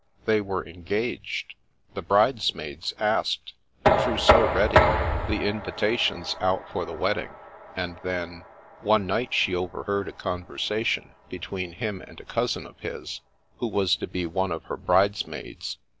They were engaged, the brides maids asked, the trousseau ready, the invitations out for the wedding, and then— one night she overheard a conversation between him and a cousin of his, who was to be one of her bridesmaids.